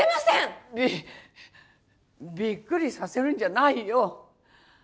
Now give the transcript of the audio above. びびっくりさせるんじゃないよ。